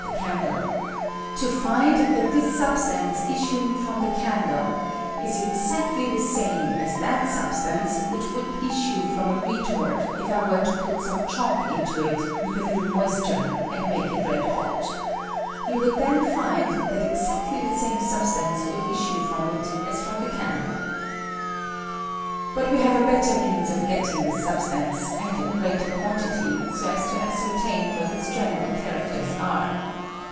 14:5 the candle — to find that this substance issuing from the candle ia exactly the same as that substance which would issue from a retort if I were to put some chalk into it with a little moisture and make it red hot ; you would then find that exactly the same substance would is sue from it as fium the candle. But wo have a better means of getting this substance, and in greater quantity, so aa to as certain what its general characters are.